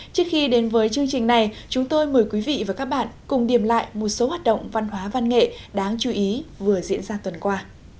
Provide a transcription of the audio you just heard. trước khi đến với chương trình này chúng tôi mời quý vị và các bạn cùng điểm lại một số hoạt động văn hóa văn nghệ đáng chú ý vừa diễn ra tuần qua